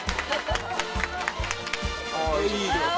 あいい！